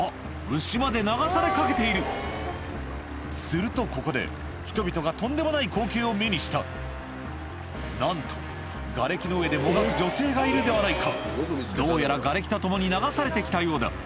牛まで流されかけているするとここで人々がとんでもない光景を目にしたなんとがれきの上でもがく女性がいるではないかどうやらがれきと共に流されて来たようだ